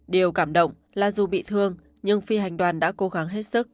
điều cảm động là dù bị thương nhưng phi hành đoàn đã cố gắng hết sức